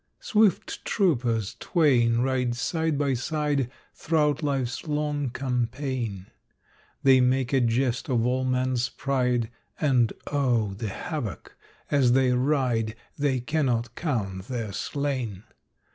Swift troopers twain ride side by side Throughout life's long campaign. They make a jest of all man's pride, And oh, the havoc! As they ride, They cannot count their slain.